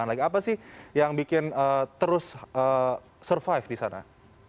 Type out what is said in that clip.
apa sih yang bikin terus survive di sana